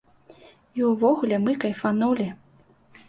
І ўвогуле, мы кайфанулі!